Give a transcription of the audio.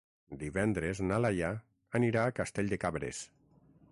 Divendres na Laia anirà a Castell de Cabres.